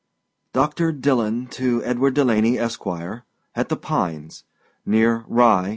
DR. DILLON TO EDWARD DELANEY, ESQ., AT THE PINES. NEAR RYE, N.